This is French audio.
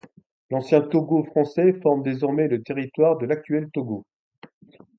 L'ancien Togo français forme désormais le territoire de l'actuel Togo.